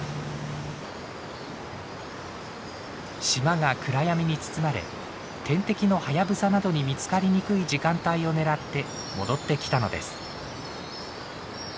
島が暗闇に包まれ天敵のハヤブサなどに見つかりにくい時間帯を狙って戻ってきたのです。